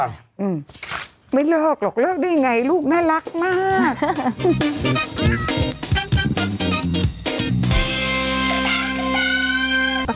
อืมไม่เลิกหรอกเลิกได้ไงลูกน่ารักมาก